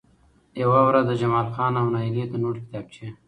يوه ورځ د جمال خان او نايلې د نوټ کتابچې